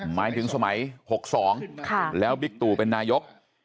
หมายถึงสมัย๖๒แล้วบิ๊กตู่เป็นนายก